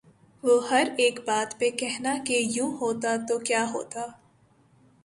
وہ ہر ایک بات پہ کہنا کہ یوں ہوتا تو کیا ہوتا